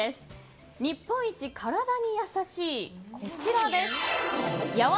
日本一体に優しいこちらです。